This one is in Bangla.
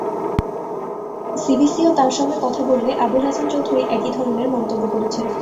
সিবিসিও তাঁর সঙ্গে কথা বললে আবুল হাসান চৌধুরী একই ধরনের মন্তব্য করেছেন।